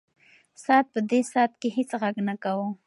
ساعت په دې ساعت کې هیڅ غږ نه کاوه.